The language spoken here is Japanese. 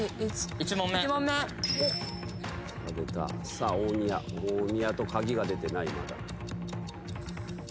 さあ大宮とカギが出てないまだ。